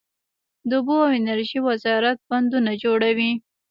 د اوبو او انرژۍ وزارت بندونه جوړوي